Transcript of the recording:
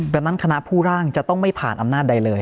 ดังนั้นคณะผู้ร่างจะต้องไม่ผ่านอำนาจใดเลย